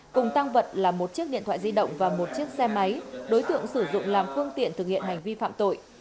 cùng tăng vật là một chiếc điện thoại di động và một chiếc xe máy đối tượng sử dụng làm phương tiện thực hiện hành vi phạm tội